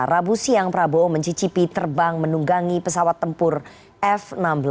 rabu siang prabowo mencicipi terbang menunggangi pesawat tempur f enam belas